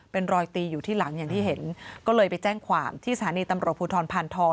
เป็นรอยตีอยู่ที่หลังอย่างที่เห็นก็เลยไปแจ้งความที่สถานีตำรวจภูทรพานทอง